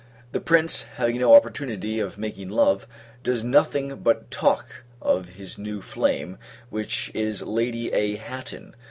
The Prince, having no opportunity of making love, does nothing but talk of his new flame, which is Lady A. Hatton.